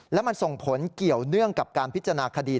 และมันส่งผลเกี่ยวเนื่องกับการพิจารณาคดี